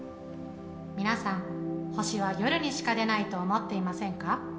皆さん星は夜にしか出ないと思っていませんか？